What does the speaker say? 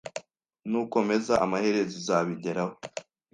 Nukomeza, amaherezo uzabigeraho.